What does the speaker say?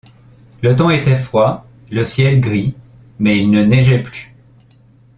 Le temps était froid, le ciel gris, mais il ne neigeait plus.